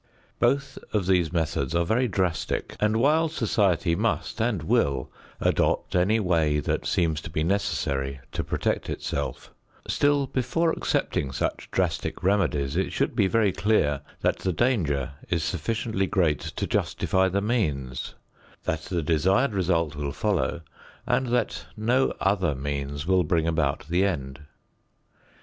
Both of these methods are very drastic, and while society must and will adopt any way that seems to be necessary to protect itself, still before accepting such drastic remedies it should be very clear that the danger is sufficiently great to justify the means, that the desired result will follow and that no other means will bring about the end.